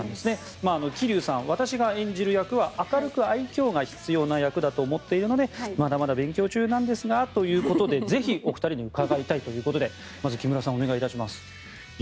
吉柳さん、私が演じる役は明るく愛嬌が必要な役だと思っているのでまだまだ勉強中ですということでぜひ、お二人に伺いたいということで木村さんお願いします。